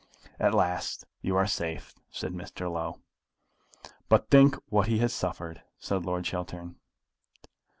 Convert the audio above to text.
"At last you are safe," said Mr. Low. "But think what he has suffered," said Lord Chiltern.